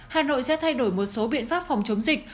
hà nội sẽ thay đổi một số biện pháp phòng chống dịch